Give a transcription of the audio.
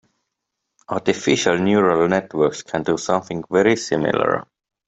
Artificial neural networks can do something very similar.